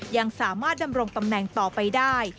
ยังสามารถดำรงตำแหน่งต่อไปได้